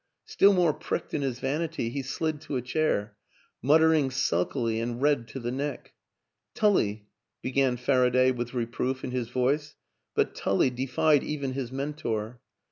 Still more pricked in his vanity he slid to a chair, muttering sulkily and red to the neck. " Tully " began Faraday with reproof in his voice but Tully defied even his mentor.